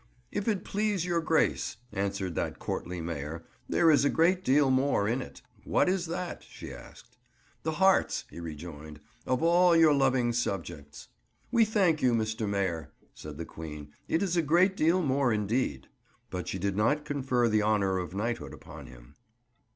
"If it please your Grace," answered that courtly Mayor, "there is a great deal more in it." "What is that?" she asked. "The hearts," he rejoined, "of all your loving subjects." "We thank you, Mr. Mayor," said the Queen, "it is a great deal more, indeed." But she did not confer the honour of knighthood upon him.